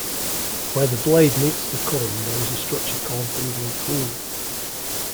Where the blade meets the culm there is a structure called the ligule.